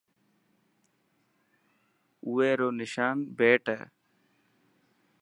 اوي رو نشان بيٽ هي.